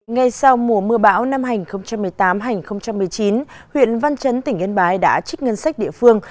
ngay sau mùa mưa bão năm hành một mươi tám một mươi chín huyện văn chấn tỉnh yên bái đã trích ngân sách địa phương